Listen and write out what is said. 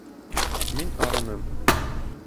Мин арыным.